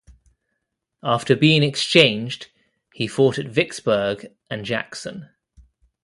After being exchanged, he fought at Vicksburg and Jackson.